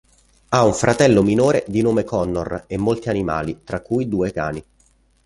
Ha un fratello minore di nome Connor e molti animali, tra cui due cani.